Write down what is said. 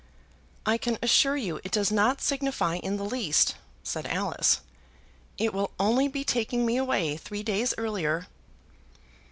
"I can assure you it does not signify in the least," said Alice. "It will only be taking me away three days earlier."